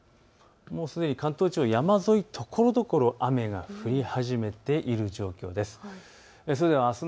すでに関東地方、山沿いところどころ雨が降り始めている状況です。